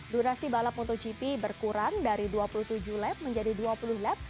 durasi balap motogp berkurang dari dua puluh tujuh lap menjadi dua puluh lap